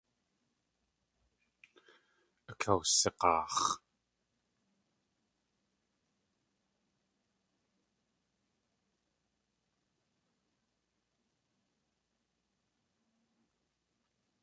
Akawsig̲aax̲.